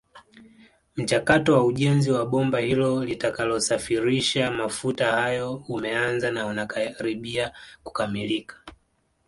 Mchakato wa ujenzi wa bomba hilo litakalosafirisha mafuta hayo umeanza na unakaribia kukamilika